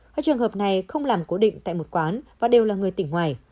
các trường hợp này không làm cố định tại một quán và đều là người tỉnh ngoài